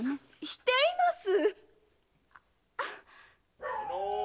しています！